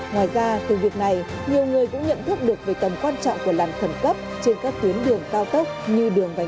ngoài ra từ việc này nhiều người cũng nhận thức được về tầm quan trọng của làn khẩn cấp trên các tuyến đường cao tốc như đường vành đai ba trên cao